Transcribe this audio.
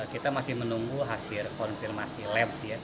kita masih menunggu hasil konfirmasi lab ya